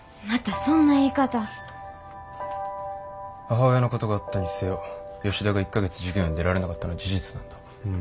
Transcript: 母親のことがあったにせよ吉田が１か月授業に出られなかったのは事実なんだ。